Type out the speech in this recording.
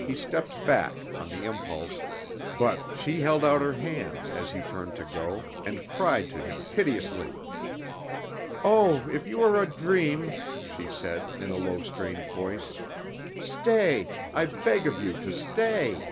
He stepped back, on the impulse, but she held out her hands, as he turned to go, and cried to him piteously. "Oh, if you are a dream," she said, in a low, strange voice, "stay! I beg of you to stay."